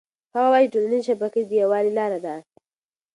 هغه وایي چې ټولنيزې شبکې د یووالي لاره ده.